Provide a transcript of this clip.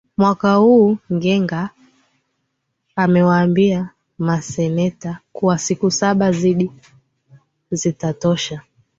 mwaka huu ngega amewambia maseneta kuwa siku saba zaidi zitatosha